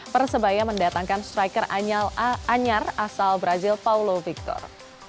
persebaya mendatangkan striker anyar asal brazil paulo victor